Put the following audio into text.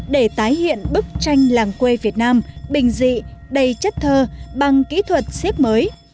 để tái hiện bức tranh làng quê việt nam bình dị đầy chất thơ bằng kỹ thuật xếp mới